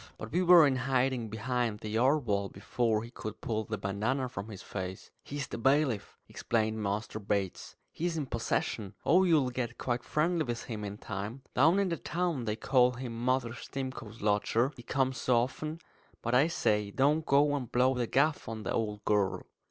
But we were in hiding behind the yard wall before he could pull the bandanna from his face. "He's the bailiff," explained Master Bates. "He's in possession. Oh, you'll get quite friendly with him in time. Down in the town they call him Mother Stimcoe's lodger, he comes so often. But, I say, don't go and blow the gaff on the old girl."